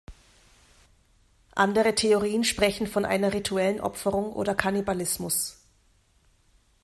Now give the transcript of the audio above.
Andere Theorien sprechen von einer rituellen Opferung oder Kannibalismus.